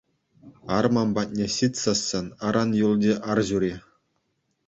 Арман патне ҫитсессӗн, аран юлчӗ арҫури.